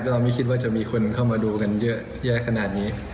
ก็ไม่คิดจะมีคนเข้ามาดูเยอะแขนาดนี้